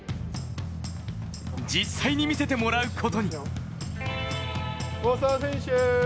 実際に見せてもらうことに。